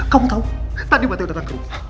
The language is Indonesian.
kamu tau tadi mati yo datang ke rumah